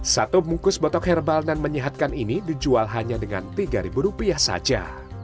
satu mungkus botok herbal dan menyehatkan ini dijual hanya dengan rp tiga saja